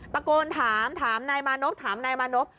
ตะโกนถามถามนายมานพถามนายมานพ